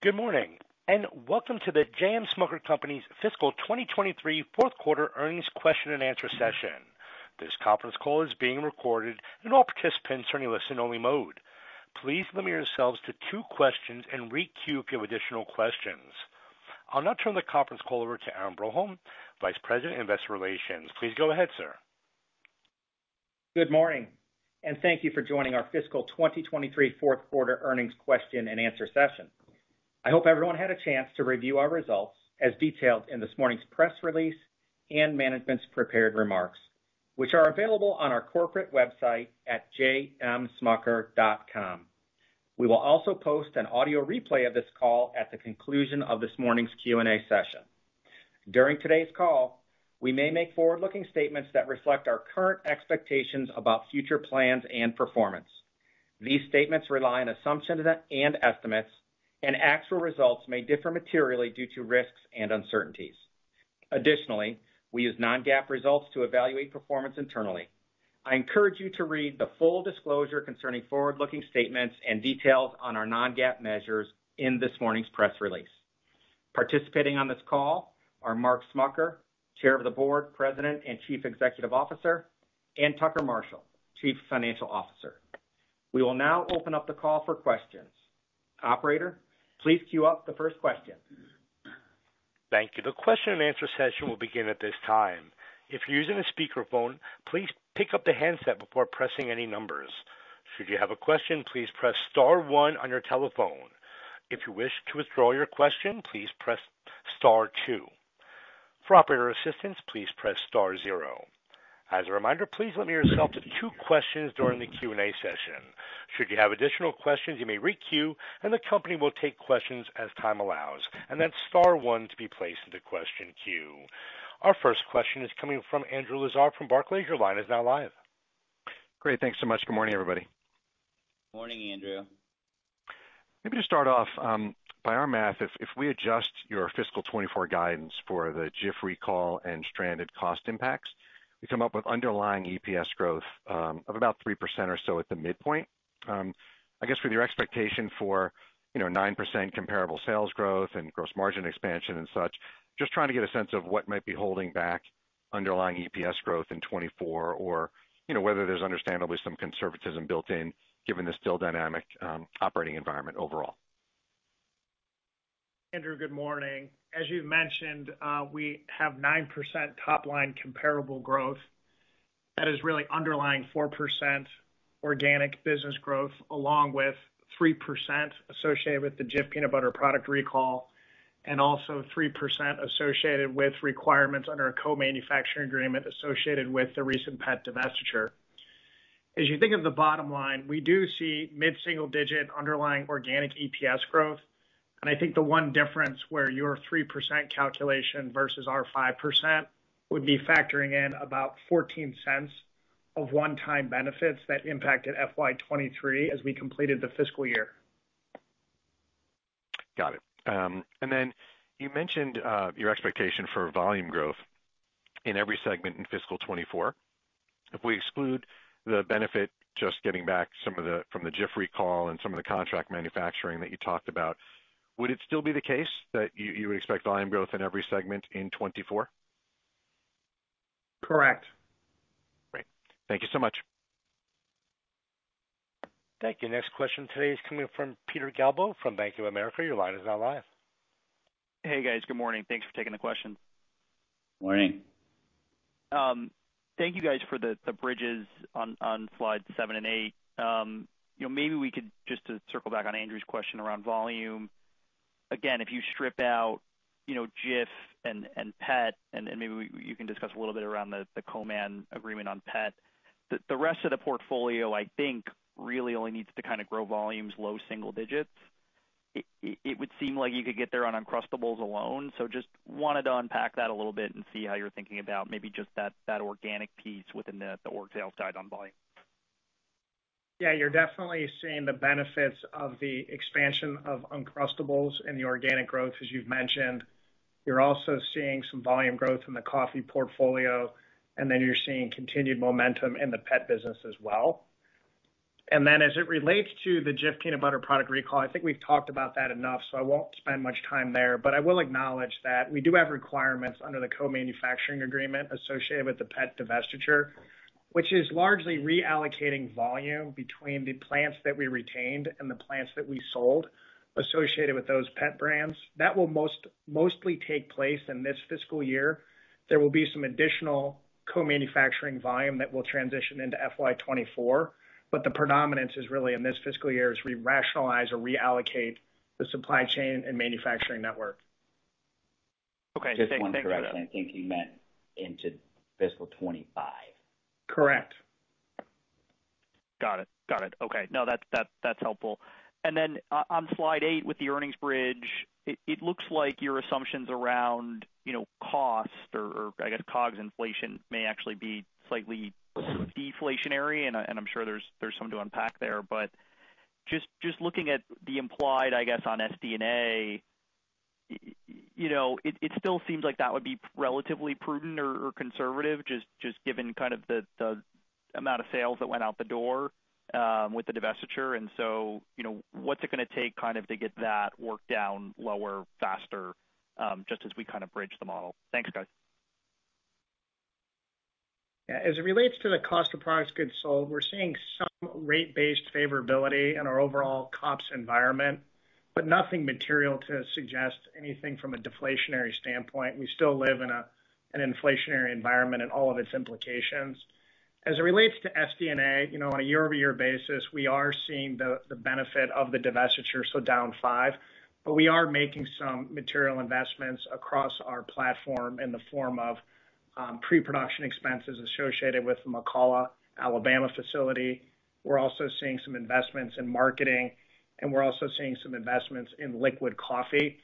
Good morning, welcome to The J.M. Smucker Company's Fiscal 2023 Fourth Quarter Earnings question and answer session. This conference call is being recorded, all participants are in a listen-only mode. Please limit yourselves to two questions and re-queue if you have additional questions. I'll now turn the conference call over to Aaron Broholm, Vice President of Investor Relations. Please go ahead, sir. Good morning. Thank you for joining our Fiscal 2023 Fourth Quarter Earnings question and answer session. I hope everyone had a chance to review our results as detailed in this morning's press release and management's prepared remarks, which are available on our corporate website at jmsmucker.com. We will also post an audio replay of this call at the conclusion of this morning's Q&A session. During today's call, we may make forward-looking statements that reflect our current expectations about future plans and performance. These statements rely on assumptions and estimates, and actual results may differ materially due to risks and uncertainties. Additionally, we use non-GAAP results to evaluate performance internally. I encourage you to read the full disclosure concerning forward-looking statements and details on our non-GAAP measures in this morning's press release. Participating on this call are Mark Smucker, Chair of the Board, President, and Chief Executive Officer, and Tucker Marshall, Chief Financial Officer. We will now open up the call for questions. Operator, please queue up the first question. Thank you. The question and answer session will begin at this time. If you're using a speakerphone, please pick up the handset before pressing any numbers. Should you have a question, please press star one on your telephone. If you wish to withdraw your question, please press star two. For operator assistance, please press star zero. As a reminder, please limit yourself to two questions during the Q&A session. Should you have additional questions, you may re-queue, and the company will take questions as time allows. That's star one to be placed into question queue. Our first question is coming from Andrew Lazar from Barclays. Your line is now live. Great, thanks so much. Good morning, everybody. Morning, Andrew. Maybe to start off, by our math, if we adjust your fiscal 2024 guidance for the Jif recall and stranded cost impacts, we come up with underlying EPS growth of about 3% or so at the midpoint. I guess with your expectation for, you know, 9% comparable sales growth and gross margin expansion and such, just trying to get a sense of what might be holding back underlying EPS growth in 2024, or, you know, whether there's understandably some conservatism built in, given the still dynamic operating environment overall. Andrew, good morning. As you've mentioned, we have 9% top-line comparable growth. That is really underlying 4% organic business growth, along with 3% associated with the Jif peanut butter product recall, and also 3% associated with requirements under a co-manufacturing agreement associated with the recent pet divestiture. As you think of the bottom line, we do see mid-single digit underlying organic EPS growth. I think the one difference where your 3% calculation versus our 5% would be factoring in about $0.14 of one-time benefits that impacted FY 2023 as we completed the fiscal year. Got it. Then you mentioned your expectation for volume growth in every segment in fiscal 2024. If we exclude the benefit, just getting back from the Jif recall and some of the contract manufacturing that you talked about, would it still be the case that you would expect volume growth in every segment in 2024? Correct. Great. Thank you so much. Thank you. Next question today is coming from Peter Galbo from Bank of America. Your line is now live. Hey, guys. Good morning. Thanks for taking the question. Morning. Thank you guys for the bridges on slide seven and eight. You know, maybe we could just to circle back on Andrew's question around volume. Again, if you strip out, you know, Jif and pet, and you can discuss a little bit around the co-man agreement on pet. The rest of the portfolio, I think, really only needs to kind of grow volumes low single digits. It would seem like you could get there on Uncrustables alone, so just wanted to unpack that a little bit and see how you're thinking about maybe just that organic piece within the organic sales guide on volume. You're definitely seeing the benefits of the expansion of Uncrustables and the organic growth, as you've mentioned. You're also seeing some volume growth in the coffee portfolio. You're seeing continued momentum in the pet business as well. As it relates to the Jif peanut butter product recall, I think we've talked about that enough, so I won't spend much time there, but I will acknowledge that we do have requirements under the co-manufacturing agreement associated with the pet divestiture, which is largely reallocating volume between the plants that we retained and the plants that we sold associated with those pet brands. That will mostly take place in this fiscal year. There will be some additional co-manufacturing volume that will transition into FY 2024, but the predominance is really in this fiscal year as we rationalize or reallocate the supply chain and manufacturing network. Okay, thank you. Just one correction. I think you meant into fiscal 2025. Correct. Got it. Okay. No, that's helpful. Then on slide eight, with the earnings bridge, it looks like your assumptions around, you know, cost or I guess COGS inflation may actually be slightly deflationary, and I'm sure there's some to unpack there. Just looking at the implied, I guess, on SG&A, you know, it still seems like that would be relatively prudent or conservative, just given kind of the amount of sales that went out the door with the divestiture. So, you know, what's it gonna take kind of to get that worked down lower, faster, just as we kind of bridge the model? Thanks, guys. As it relates to the cost of products goods sold, we're seeing some rate-based favorability in our overall COGS environment, but nothing material to suggest anything from a deflationary standpoint. We still live in an inflationary environment and all of its implications. As it relates to SG&A, you know, on a year-over-year basis, we are seeing the benefit of the divestiture, so down five. We are making some material investments across our platform in the form of pre-production expenses associated with the McCalla, Alabama facility. We're also seeing some investments in marketing, and we're also seeing some investments in liquid coffee.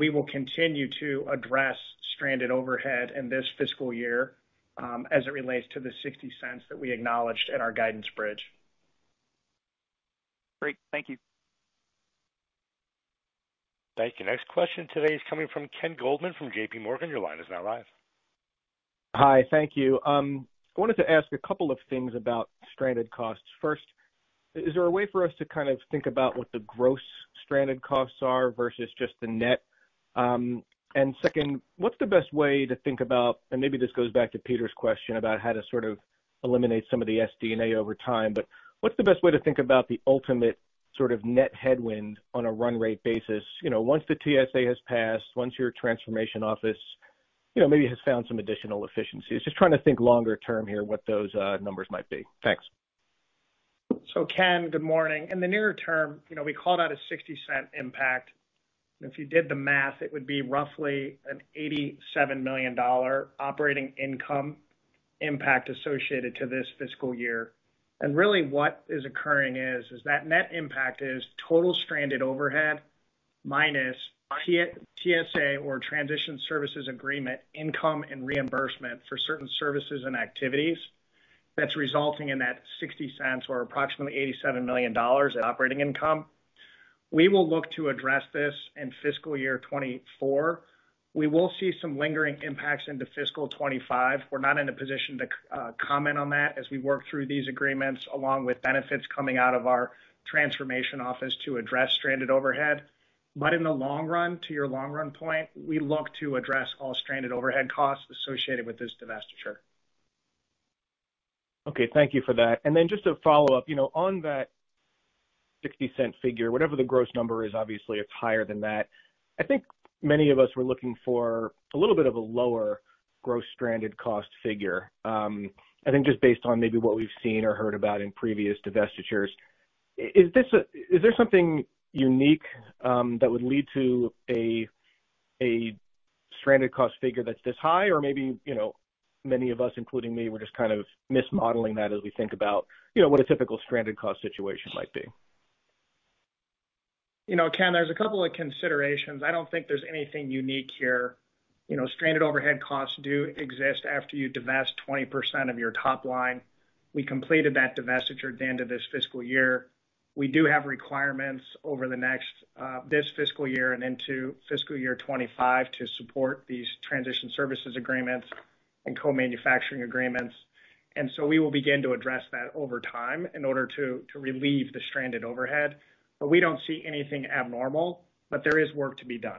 We will continue to address stranded overhead in this fiscal year as it relates to the $0.60 that we acknowledged in our guidance bridge. Great. Thank you. Thank you. Next question today is coming from Ken Goldman from JPMorgan. Your line is now live. Hi, thank you. I wanted to ask a couple of things about stranded costs. First, is there a way for us to kind of think about what the gross stranded costs are versus just the net? Second, what's the best way to think about, and maybe this goes back to Peter's question about how to sort of eliminate some of the SG&A over time, but what's the best way to think about the ultimate sort of net headwind on a run rate basis? You know, once the TSA has passed, once your transformation office, you know, maybe has found some additional efficiencies. Just trying to think longer term here, what those numbers might be. Thanks. Ken, good morning. In the nearer term, you know, we called out a $0.60 impact, and if you did the math, it would be roughly an $87 million operating income impact associated to this fiscal year. What is occurring is that net impact is total stranded overhead minus TSA or transition services agreement, income and reimbursement for certain services and activities that's resulting in that $0.60 or approximately $87 million in operating income. We will look to address this in fiscal year 2024. We will see some lingering impacts into fiscal 2025. We're not in a position to comment on that as we work through these agreements, along with benefits coming out of our transformation office to address stranded overhead. In the long run, to your long run point, we look to address all stranded overhead costs associated with this divestiture. Okay, thank you for that. Just a follow-up. You know, on that $0.60 figure, whatever the gross number is, obviously it's higher than that. I think many of us were looking for a little bit of a lower gross stranded cost figure. I think just based on maybe what we've seen or heard about in previous divestitures. Is there something unique that would lead to a stranded cost figure that's this high? Maybe, you know, many of us, including me, were just kind of mismodeling that as we think about, you know, what a typical stranded cost situation might be. You know, Ken, there's a couple of considerations. I don't think there's anything unique here. You know, stranded overhead costs do exist after you divest 20% of your top line. We completed that divestiture at the end of this fiscal year. We do have requirements over the next, this fiscal year and into fiscal year 2025 to support these transition services agreements and co-manufacturing agreements. We will begin to address that over time in order to relieve the stranded overhead. We don't see anything abnormal, but there is work to be done.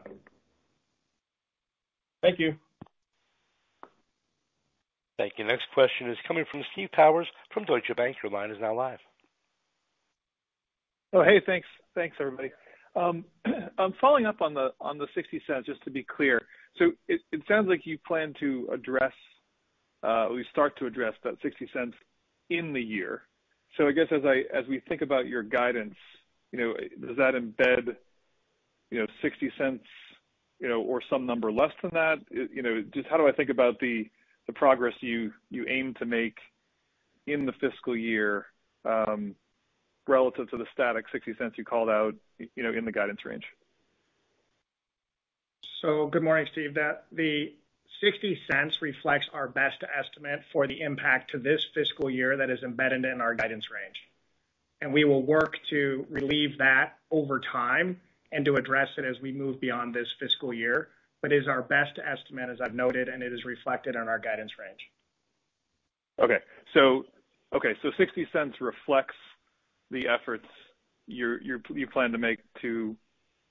Thank you. Thank you. Next question is coming from Steve Powers from Deutsche Bank. Your line is now live. Oh, hey, thanks. Thanks, everybody. Following up on the $0.60, just to be clear. It sounds like you plan to address, or you start to address that $0.60 in the year. I guess as we think about your guidance, you know, does that embed, you know, $0.60, you know, or some number less than that? Just how do I think about the progress you aim to make in the fiscal year, relative to the static $0.60 you called out, you know, in the guidance range? Good morning, Stifel. The $0.60 reflects our best estimate for the impact to this fiscal year that is embedded in our guidance range. We will work to relieve that over time and to address it as we move beyond this fiscal year. It is our best estimate, as I've noted, and it is reflected in our guidance range. $0.60 reflects the efforts you plan to make to,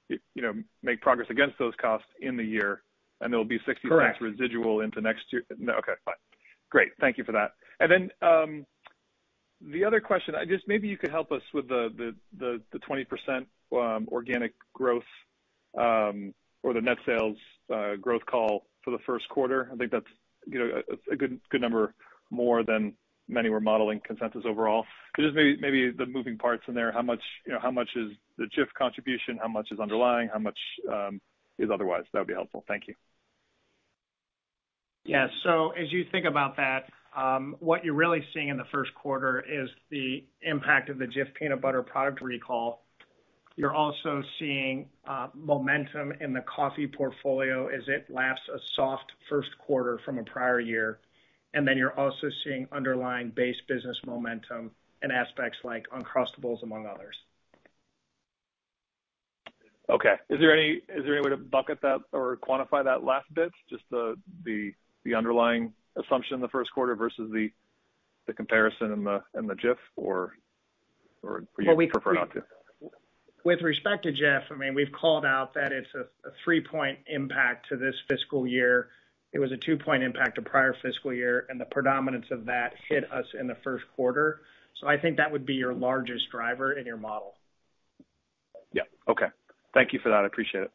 you know, make progress against those costs in the year. Correct. residual into next year. Okay, fine. Great. Thank you for that. The other question, maybe you could help us with the 20% organic growth or the net sales growth call for the first quarter. I think that's, you know, a good number more than many were modeling consensus overall. Just maybe the moving parts in there, how much, you know, how much is the Jif contribution? How much is underlying? How much is otherwise? That would be helpful. Thank you. Yeah, as you think about that, what you're really seeing in the first quarter is the impact of the Jif peanut butter product recall. You're also seeing momentum in the coffee portfolio as it lasts a soft first quarter from a prior year. You're also seeing underlying base business momentum in aspects like Uncrustables, among others. Okay. Is there any way to bucket that or quantify that last bit, just the underlying assumption in the first quarter versus the comparison in the Jif or would you prefer not to? With respect to Jif, I mean, we've called out that it's a 3-point impact to this fiscal year. It was a 2-point impact to prior fiscal year, the predominance of that hit us in the first quarter. I think that would be your largest driver in your model. Yeah. Okay. Thank you for that. I appreciate it.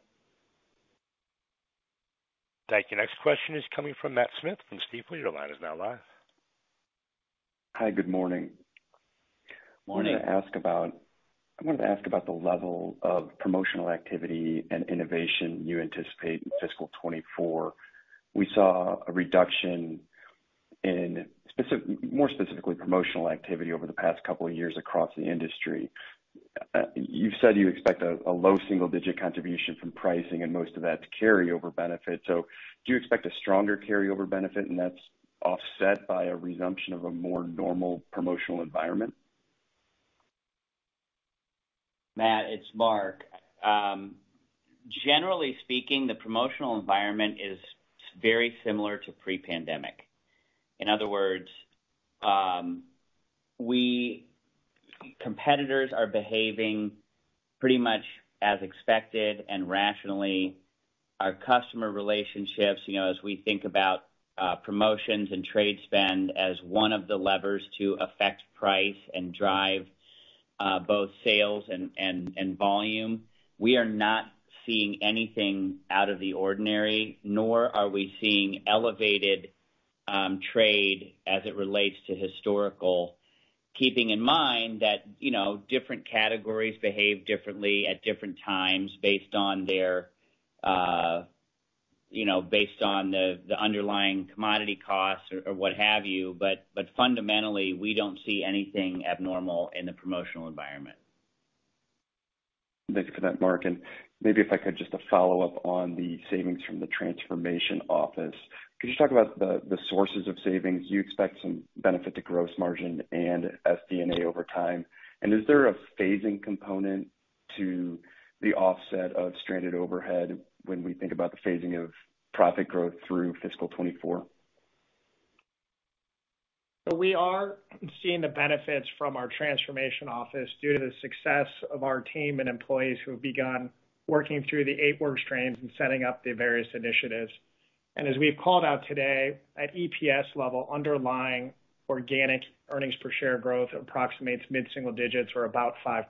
Thank you. Next question is coming from Matthew Smith from Stifel. Your line is now live. Hi, good morning. Morning. I wanted to ask about the level of promotional activity and innovation you anticipate in fiscal 2024. We saw a reduction in more specifically, promotional activity over the past couple of years across the industry. You've said you expect a low single-digit contribution from pricing and most of that to carry over benefit. Do you expect a stronger carryover benefit, and that's offset by a resumption of a more normal promotional environment? Matt, it's Mark. Generally speaking, the promotional environment is very similar to pre-pandemic. In other words, competitors are behaving pretty much as expected and rationally. Our customer relationships, you know, as we think about promotions and trade spend as one of the levers to affect price and drive both sales and volume, we are not seeing anything out of the ordinary, nor are we seeing elevated trade as it relates to historical. Keeping in mind that, you know, different categories behave differently at different times based on their, you know, based on the underlying commodity costs or what have you. Fundamentally, we don't see anything abnormal in the promotional environment. Thank you for that, Mark. Maybe if I could, just a follow-up on the savings from the transformation office. Could you talk about the sources of savings? Do you expect some benefit to gross margin and SG&A over time? Is there a phasing component to the offset of stranded overhead when we think about the phasing of profit growth through fiscal 2024? We are seeing the benefits from our transformation office due to the success of our team and employees who have begun working through the eight work streams and setting up the various initiatives. As we've called out today, at EPS level, underlying organic earnings per share growth approximates mid-single digits or about 5%.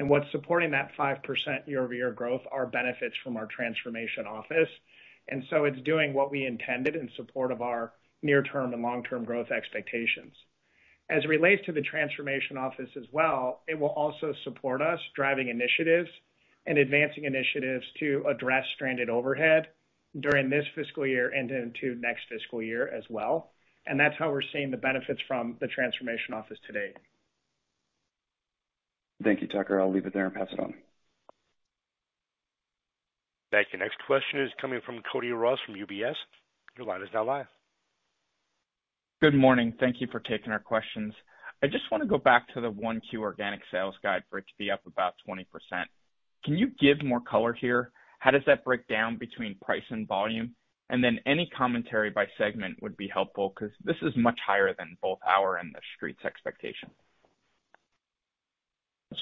What's supporting that 5% year-over-year growth are benefits from our transformation office. It's doing what we intended in support of our near-term and long-term growth expectations. As it relates to the transformation office as well, it will also support us driving initiatives and advancing initiatives to address stranded overhead during this fiscal year and into next fiscal year as well. That's how we're seeing the benefits from the transformation office to date. Thank you, Tucker. I'll leave it there and pass it on. Thank you. Next question is coming from Cody Ross from UBS. Your line is now live. Good morning. Thank you for taking our questions. I just wanna go back to the 1Q organic sales guide for it to be up about 20%. Can you give more color here? How does that break down between price and volume? Then any commentary by segment would be helpful, because this is much higher than both our and the street's expectation.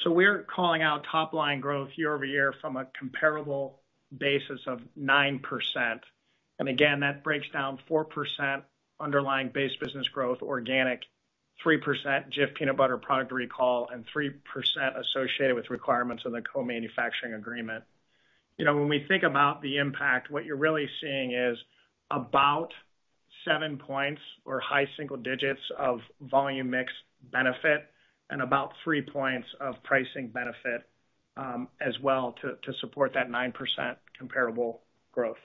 We're calling out top line growth year-over-year from a comparable basis of 9%. Again, that breaks down 4% underlying base business growth, organic, 3% Jif peanut butter product recall, and 3% associated with requirements of the co-manufacturing agreement. You know, when we think about the impact, what you're really seeing is about seven points or high single digits of volume mix benefit and about three points of pricing benefit, as well, to support that 9% comparable growth.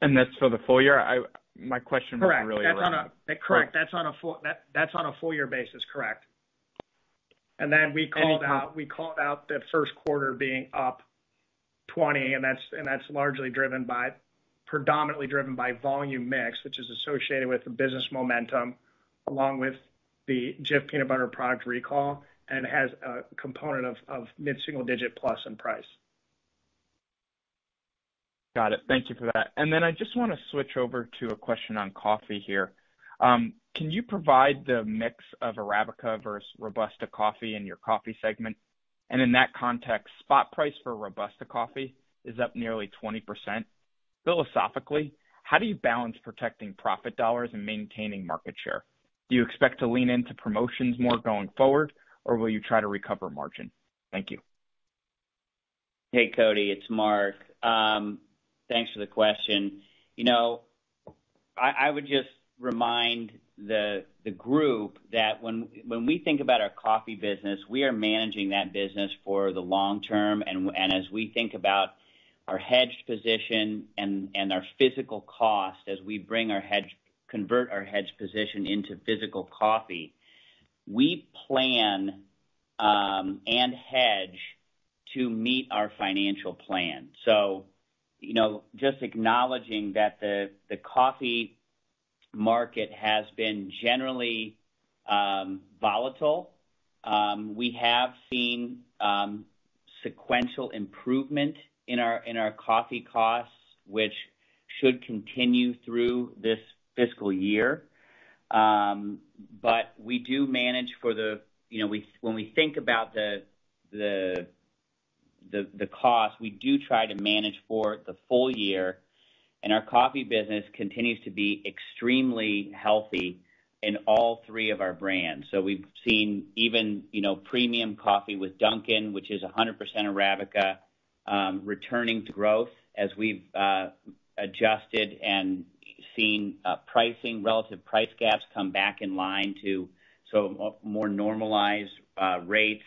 That's for the full year? my question was really around- Correct. That's on a full year basis, correct. Then we called out the first quarter being up 20, and that's largely driven by predominantly driven by volume mix, which is associated with the business momentum, along with the Jif peanut butter product recall, and it has a component of mid-single digit plus in price. Got it. Thank you for that. I just wanna switch over to a question on coffee here. Can you provide the mix of Arabica versus Robusta coffee in your coffee segment? In that context, spot price for Robusta coffee is up nearly 20%. Philosophically, how do you balance protecting profit dollars and maintaining market share? Do you expect to lean into promotions more going forward, or will you try to recover margin? Thank you. Hey, Cody, it's Mark. Thanks for the question. You know, I would just remind the group that when we think about our coffee business, we are managing that business for the long term. And as we think about our hedged position and our physical cost, as we bring our hedged position into physical coffee, we and hedge to meet our financial plan. You know, just acknowledging that the coffee market has been generally volatile, we have seen sequential improvement in our, in our coffee costs, which should continue through this fiscal year. But we do manage, you know, we, when we think about the cost, we do try to manage for the full year. Our coffee business continues to be extremely healthy in all three of our brands. We've seen even, you know, premium coffee with Dunkin', which is 100% Arabica, returning to growth as we've adjusted and seen pricing, relative price gaps come back in line to more normalized rates.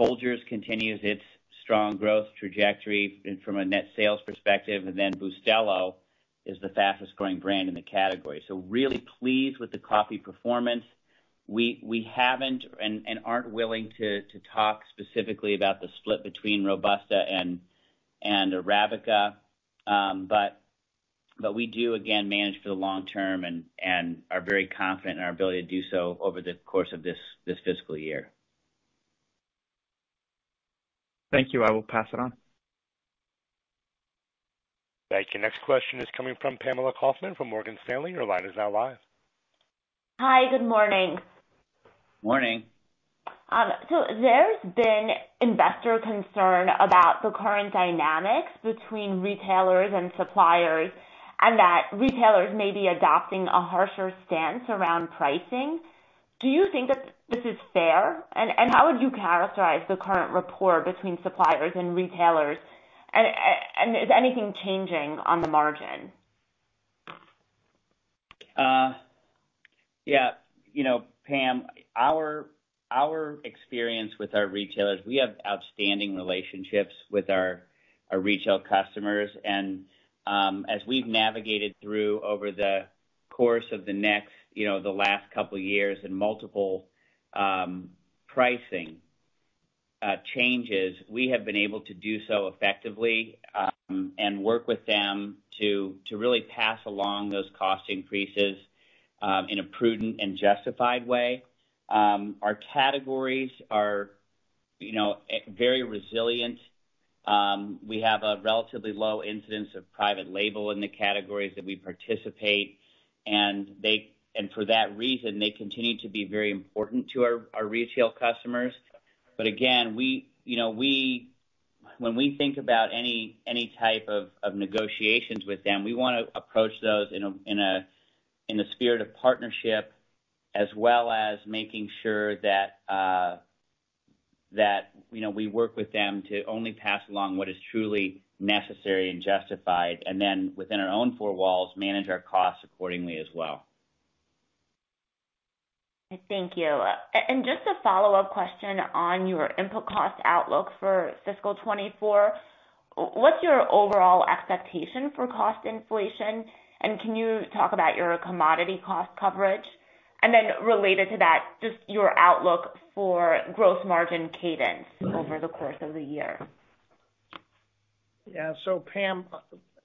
Folgers continues its strong growth trajectory from a net sales perspective. Bustelo is the fastest growing brand in the category. Really pleased with the coffee performance. We haven't and aren't willing to talk specifically about the split between Robusta and Arabica. We do, again, manage for the long term and are very confident in our ability to do so over the course of this fiscal year. Thank you. I will pass it on. Thank you. Next question is coming from Pamela Kaufman from Morgan Stanley. Your line is now live. Hi, good morning. Morning. There's been investor concern about the current dynamics between retailers and suppliers, and that retailers may be adopting a harsher stance around pricing. Do you think that this is fair? How would you characterize the current rapport between suppliers and retailers? Is anything changing on the margin? Yeah. You know, Pam, our experience with our retailers, we have outstanding relationships with our retail customers, as we've navigated through over the course of the next, you know, the last couple of years in multiple pricing changes, we have been able to do so effectively and work with them to really pass along those cost increases in a prudent and justified way. Our categories are, you know, very resilient. We have a relatively low incidence of private label in the categories that we participate, and for that reason, they continue to be very important to our retail customers. Again, we, you know, when we think about any type of negotiations with them, we wanna approach those in the spirit of partnership, as well as making sure that, you know, we work with them to only pass along what is truly necessary and justified, and then within our own four walls, manage our costs accordingly as well. Thank you. Just a follow-up question on your input cost outlook for fiscal 2024. What's your overall expectation for cost inflation? Can you talk about your commodity cost coverage? Related to that, just your outlook for gross margin cadence over the course of the year. Pam,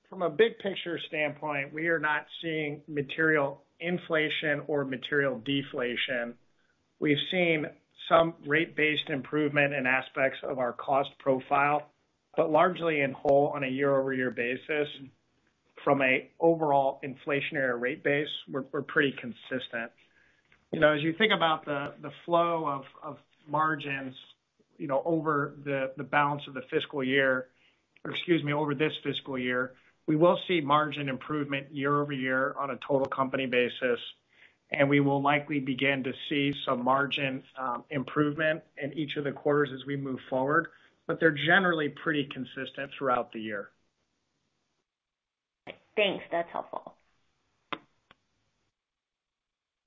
from a big picture standpoint, we are not seeing material inflation or material deflation. We've seen some rate-based improvement in aspects of our cost profile, but largely in whole, on a year-over-year basis, from a overall inflationary rate base, we're pretty consistent. You know, as you think about the flow of margins, you know, over the balance of the fiscal year, or excuse me, over this fiscal year, we will see margin improvement year-over-year on a total company basis, and we will likely begin to see some margin improvement in each of the quarters as we move forward. They're generally pretty consistent throughout the year. Thanks. That's helpful.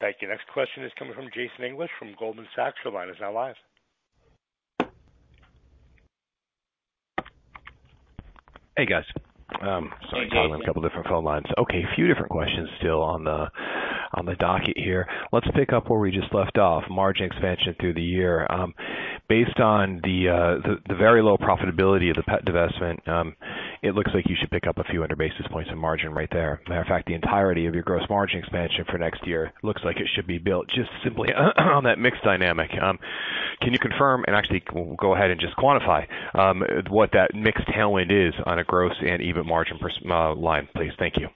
Thank you. Next question is coming from Jason English, from Goldman Sachs. Your line is now live. Hey, guys. Sorry, calling on a couple different phone lines. Hey, Jason. A few different questions still on the docket here. Let's pick up where we just left off, margin expansion through the year. Based on the very low profitability of the pet divestment, it looks like you should pick up a few hundred basis points in margin right there. Matter of fact, the entirety of your gross margin expansion for next year looks like it should be built just simply on that mix dynamic. Can you confirm, and actually go ahead and just quantify, what that mix tailwind is on a gross and EBITDA margin per, line, please? Thank you.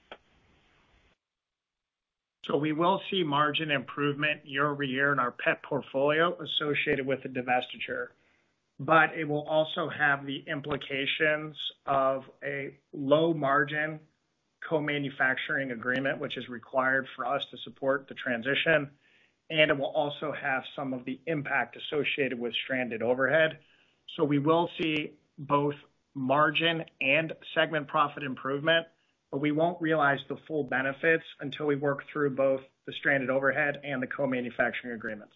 We will see margin improvement year-over-year in our pet portfolio associated with the divestiture, but it will also have the implications of a low margin co-manufacturing agreement, which is required for us to support the transition, and it will also have some of the impact associated with stranded overhead. We will see both margin and segment profit improvement, but we won't realize the full benefits until we work through both the stranded overhead and the co-manufacturing agreements.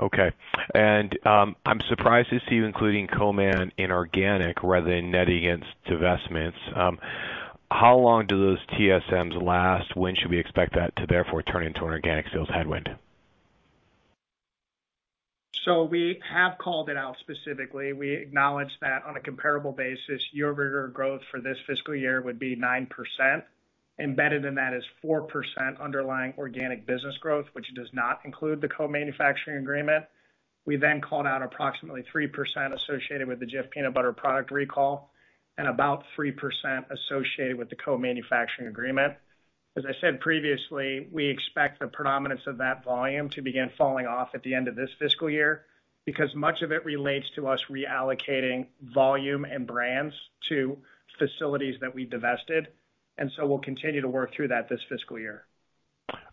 Okay. I'm surprised to see you including co-man in organic rather than netting against divestments. How long do those TSAs last? When should we expect that to therefore turn into an organic sales headwind? We have called it out specifically. We acknowledge that on a comparable basis, year-over-year growth for this fiscal year would be 9%. Embedded in that is 4% underlying organic business growth, which does not include the co-manufacturing agreement. Called out approximately 3% associated with the Jif peanut butter product recall and about 3% associated with the co-manufacturing agreement. As I said previously, we expect the predominance of that volume to begin falling off at the end of this fiscal year, because much of it relates to us reallocating volume and brands to facilities that we divested, we'll continue to work through that this fiscal year.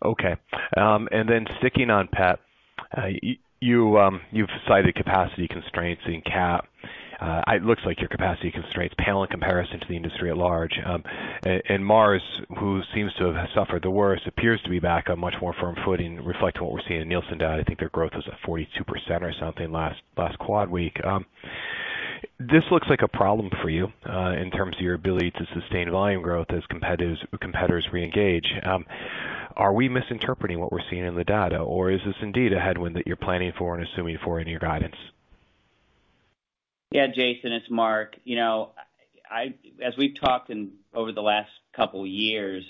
Okay. Sticking on pet, you've cited capacity constraints in cat. It looks like your capacity constraints pale in comparison to the industry at large. Mars, who seems to have suffered the worst, appears to be back on much more firm footing, reflecting what we're seeing in Nielsen data. I think their growth was at 42% or something last quad week. This looks like a problem for you, in terms of your ability to sustain volume growth as competitors reengage. Are we misinterpreting what we're seeing in the data, or is this indeed a headwind that you're planning for and assuming for in your guidance? Yeah, Jason, it's Mark. You know, as we've talked over the last couple of years,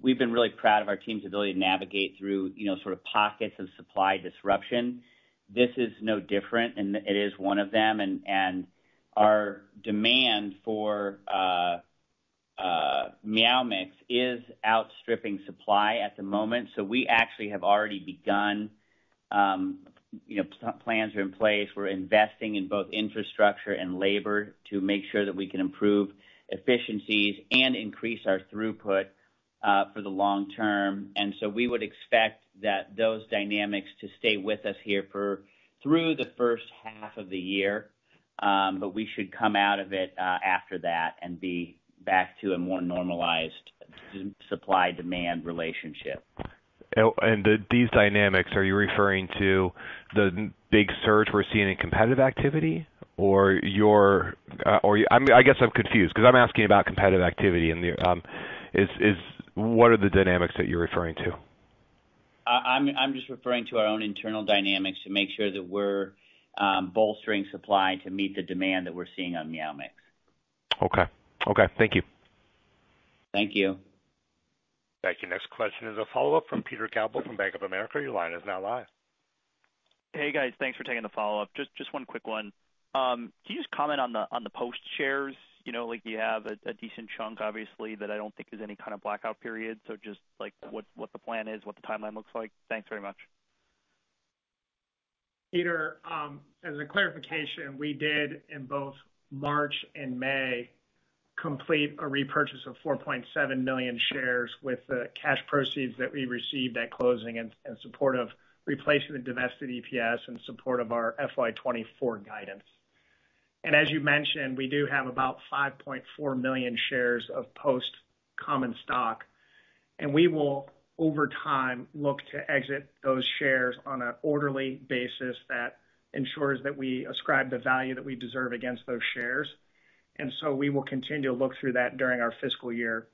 we've been really proud of our team's ability to navigate through, you know, sort of pockets of supply disruption. This is no different, and it is one of them. Our demand for Meow Mix is outstripping supply at the moment, so we actually have already begun, you know, plans are in place. We're investing in both infrastructure and labor to make sure that we can improve efficiencies and increase our throughput for the long term. We would expect that those dynamics to stay with us here for through the first half of the year, but we should come out of it after that and be back to a more normalized supply-demand relationship. These dynamics, are you referring to the big surge we're seeing in competitive activity or your, or I mean I guess I'm confused, because I'm asking about competitive activity and the, is what are the dynamics that you're referring to? I'm just referring to our own internal dynamics to make sure that we're bolstering supply to meet the demand that we're seeing on Meow Mix. Okay. Okay, thank you. Thank you. Thank you. Next question is a follow-up from Peter Galbo from Bank of America. Your line is now live. Hey, guys, thanks for taking the follow-up. Just one quick one. Can you just comment on the Post shares? You know, like, you have a decent chunk, obviously, that I don't think there's any kind of blackout period. Just, like, what the plan is, what the timeline looks like. Thanks very much. Peter, as a clarification, we did, in both March and May, complete a repurchase of 4.7 million shares with the cash proceeds that we received at closing in support of replacing the divested EPS in support of our FY 2024 guidance. As you mentioned, we do have about 5.4 million shares of Post common stock, and we will, over time, look to exit those shares on an orderly basis that ensures that we ascribe the value that we deserve against those shares. So we will continue to look through that during our fiscal year.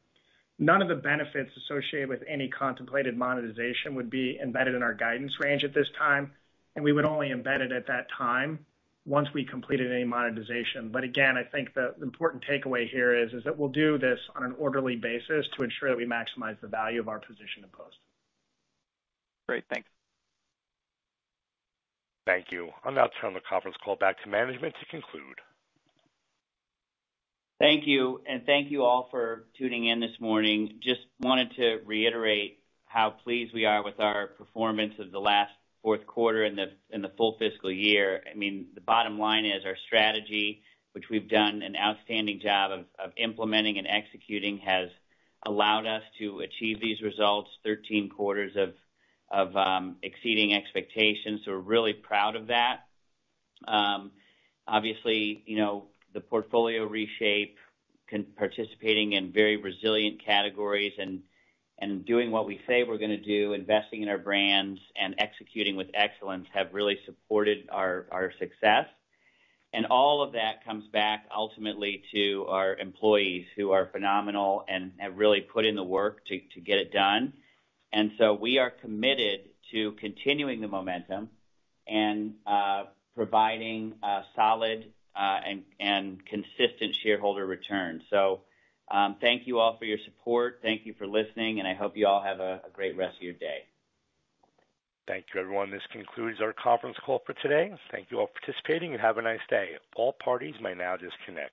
None of the benefits associated with any contemplated monetization would be embedded in our guidance range at this time, and we would only embed it at that time once we completed any monetization. Again, I think the important takeaway here is that we'll do this on an orderly basis to ensure that we maximize the value of our position in Post. Great. Thanks. Thank you. I'll now turn the conference call back to management to conclude. Thank you, thank you all for tuning in this morning. Just wanted to reiterate how pleased we are with our performance of the last fourth quarter and the full fiscal year. I mean the bottom line is, our strategy, which we've done an outstanding job of implementing and executing, has allowed us to achieve these results, 13 quarters of exceeding expectations, so we're really proud of that. obviously, you know, the portfolio reshape, participating in very resilient categories and doing what we say we're gonna do, investing in our brands and executing with excellence, have really supported our success. All of that comes back ultimately to our employees, who are phenomenal and have really put in the work to get it done. We are committed to continuing the momentum and providing a solid and consistent shareholder return. Thank you all for your support. Thank you for listening, and I hope you all have a great rest of your day. Thank you, everyone. This concludes our conference call for today. Thank you all for participating, and have a nice day. All parties may now disconnect.